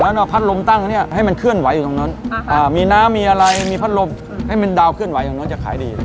แล้วเราพัดลมตั้งเนี่ยให้มันเคลื่อนไหวอยู่ตรงนั้นมีน้ำมีอะไรมีพัดลมให้มันดาวเคลื่อนไหวของน้องจะขายดี